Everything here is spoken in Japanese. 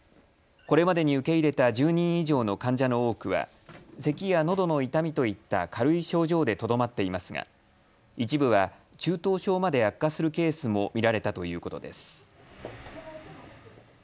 これまでに受け入れた１０人以上の患者の多くはせきやのどの痛みといった軽い症状でとどまっていますが一部は中等症まで悪化するケースも見られたということです。